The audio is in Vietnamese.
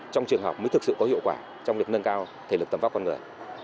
trong trường học mới thực sự có hiệu quả trong việc nâng cao thể lực tầm vóc con người